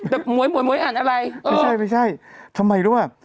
แต่หมวยหมวยหมวยอ่านอะไรไม่ใช่ไม่ใช่ทำไมหรือว่า